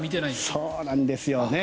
そうなんですよ。